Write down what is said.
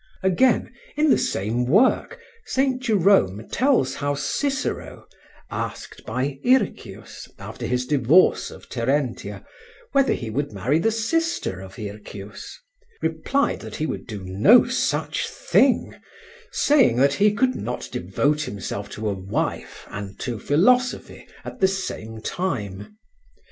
Again, in the same work, St. Jerome tells how Cicero, asked by Hircius after his divorce of Terentia whether he would marry the sister of Hircius, replied that he would do no such thing, saying that he could not devote himself to a wife and to philosophy at the same time.